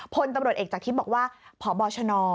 พลตำรวจเอกจากทิพย์บอกว่าพบชน